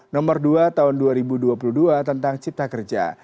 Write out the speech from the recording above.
nomor dua tahun dua ribu dua puluh dua tentang cipta kerja